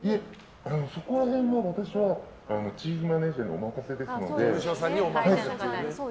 そこら辺も私はチーフマネージャーにお任せですので。